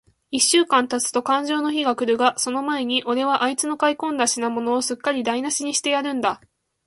一週間たつとかんじょうの日が来るが、その前に、おれはあいつの買い込んだ品物を、すっかりだいなしにしてやるんだ。